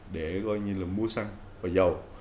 để mua săn và dầu